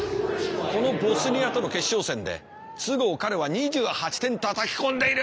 このボスニアとの決勝戦で都合彼は２８点たたき込んでいる！